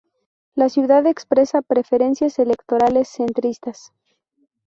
La ciudad expresa preferencias electorales centristas.